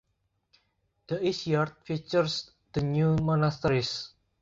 The east yard features the new monasteries.